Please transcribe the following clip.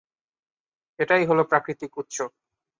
এটাই হলো প্রাকৃতিক উৎস।